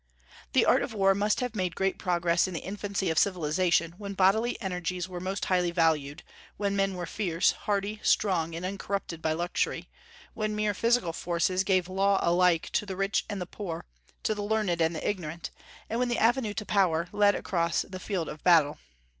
The art of war must have made great progress in the infancy of civilization, when bodily energies were most highly valued, when men were fierce, hardy, strong, and uncorrupted by luxury; when mere physical forces gave law alike to the rich and the poor, to the learned and the ignorant; and when the avenue to power led across the field of battle.